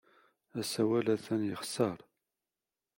Asawal atan yexṣer.